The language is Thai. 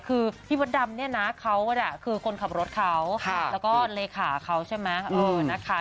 คือพี่มดดำเนี่ยนะเขาคือคนขับรถเขาแล้วก็เลขาเขาใช่ไหม